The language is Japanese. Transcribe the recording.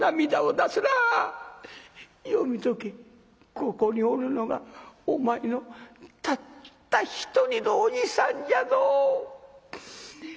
ここにおるのがお前のたった一人の伯父さんじゃぞ。